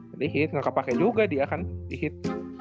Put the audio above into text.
jadi hit gak pake juga dia kan di hit